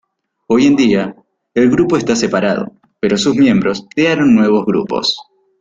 Hoy en día, el grupo está separado, pero sus miembros crearon nuevos grupos.